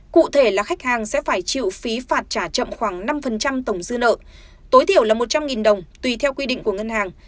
cụ thể là khách hàng sẽ phải chịu phí phạt trả chậm khoảng năm tổng dư nợ tối thiểu là một trăm linh đồng tùy theo quy định của ngân hàng